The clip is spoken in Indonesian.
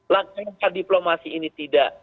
langkah langkah diplomasi ini tidak